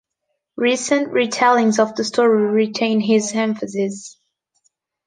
Recent re-tellings of the story retain his emphasis.